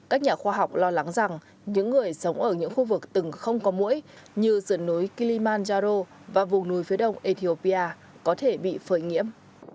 các nhà khoa học lo lắng rằng những người sống ở những khu vực từng không có mũi như dưới núi kilimanjaro và vùng núi phía đông ethiopia có thể bị phơi nghiễm